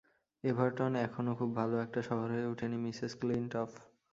Everton এখনো খুব ভালো একটা শহর হয়ে উঠেনি, মিসেস ক্লিনটফ।